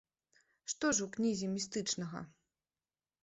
Што ж у кнізе містычнага?